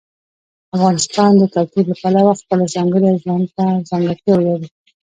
افغانستان د کلتور له پلوه خپله ځانګړې او ځانته ځانګړتیاوې لري.